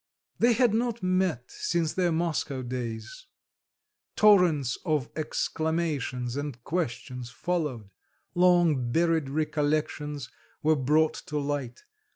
They had not met since their Moscow days. Torrents of exclamations and questions followed; long buried recollections were brought to light.